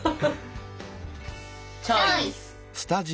チョイス！